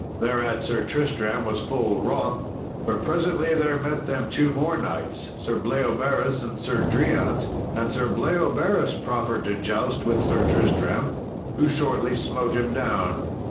Thereat Sir Tristram was full wroth, but presently there met them two more knights, Sir Bleoberis and Sir Driant; and Sir Bleoberis proffered to joust with Sir Tristram, who shortly smote him down.